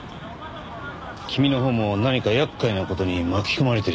君のほうも何か厄介な事に巻き込まれているようだが。